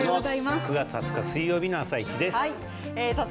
９月２０日水曜日の「あさイチ」です。